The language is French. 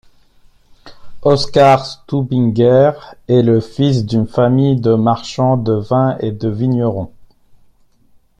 Oskar Stübinger est le fils d'une famille de marchands de vin et de vignerons.